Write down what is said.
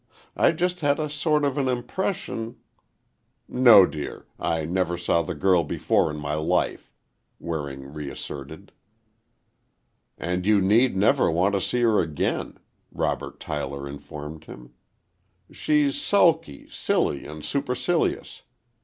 "I just had a sort of an impression—" "No, dear, I never saw the girl before in my life," Waring reasserted. "And you need never want to see her again," Robert Tyler informed him. "She's sulky, silly and supercilious.